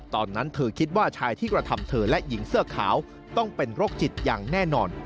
ตอนนั้นเธอคิดว่าชายที่กระทำเธอและหญิงเสื้อขาวต้องเป็นโรคจิตอย่างแน่นอน